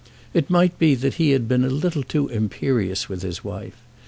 It might be that he had been a little too imperious with his wife.